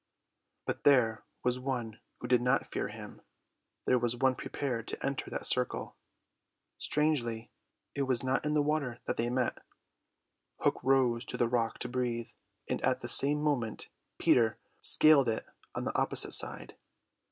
But there was one who did not fear him: there was one prepared to enter that circle. Strangely, it was not in the water that they met. Hook rose to the rock to breathe, and at the same moment Peter scaled it on the opposite side.